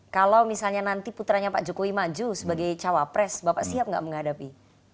kalau misalnya nanti putranya pak jokowi maju sebagai cawapres bapak siap gak menghadapi